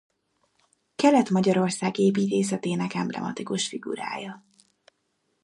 Kelet-Magyarország építészetének emblematikus figurája.